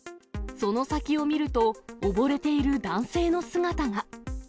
その先を見ると、溺れている男性の姿が。